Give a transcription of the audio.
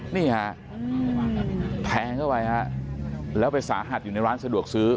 นี่ฮะแทงเข้าไปฮะแล้วไปสาหัสอยู่ในร้านสะดวกซื้อ